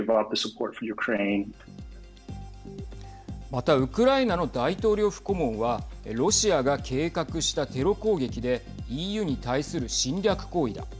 またウクライナの大統領府顧問はロシアが計画したテロ攻撃でＥＵに対する侵略行為だ。